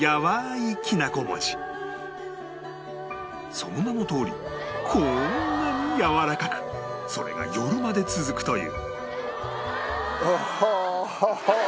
その名のとおりこんなにやわらかくそれが夜まで続くという